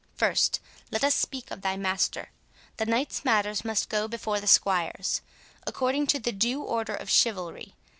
First let us speak of thy master; the knight's matters must go before the squire's, according to the due order of chivalry.